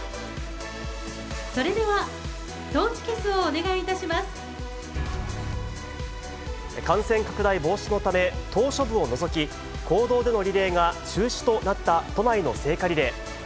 それでは、トーチキスをお願感染拡大防止のため、島しょ部を除き、公道でのリレーが中止となった都内の聖火リレー。